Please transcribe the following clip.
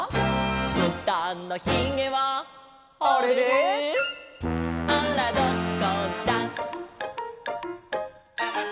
「ぶたのひげは」「あれれ」「あらどこだ」